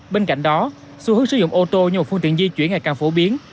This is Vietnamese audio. bên cạnh đó xu hướng sử dụng ô tô như một phương tiện di chuyển ngày càng phổ biến